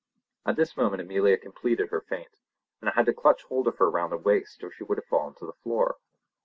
At this moment Amelia completed her faint, and I had to clutch hold of her round the waist or she would have fallen to the floor.